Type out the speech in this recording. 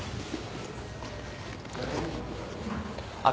あっ。